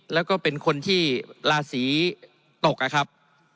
แล้วก็เป็นคนที่ราศีตกนะครับ